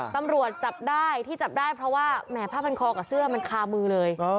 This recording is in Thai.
ตำรวจจับได้ที่จับได้เพราะว่าแหมผ้าพันคอกับเสื้อมันคามือเลย